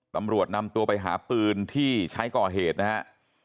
ตำรวจนำตัวไปหาปืนที่ใช้ก่อเหตุนะครับ